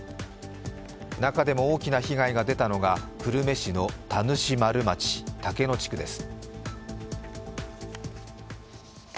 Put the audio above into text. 中でも大きな被害が出たのが久留米市の田主丸町竹野地区です。